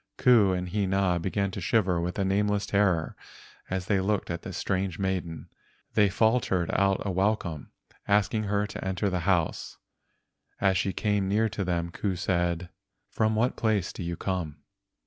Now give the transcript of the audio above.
Ku and Hina began to shiver with a nameless terror as they looked at this strange maiden. They faltered out a welcome, asking her to enter their house. THE MAID OF THE GOLDEN CLOUD 119 As she came near to them Ku said, "From what place do you come?"